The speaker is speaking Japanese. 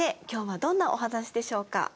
今日はどんなお話でしょうか？